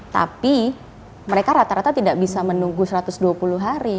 tapi mereka rata rata tidak bisa menunggu satu ratus dua puluh hari